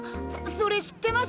それ知ってます！